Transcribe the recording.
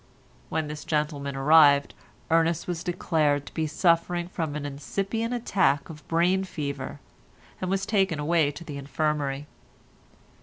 When this gentleman arrived, Ernest was declared to be suffering from an incipient attack of brain fever, and was taken away to the infirmary.